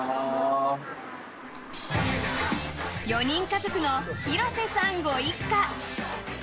４人家族の廣瀬さんご一家。